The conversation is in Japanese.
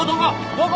どこ？